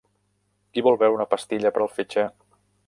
Qui vol veure una pastilla per al fetge?